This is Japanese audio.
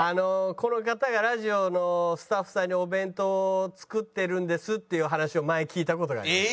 この方がラジオのスタッフさんにお弁当を作ってるんですっていう話を前聞いた事があります。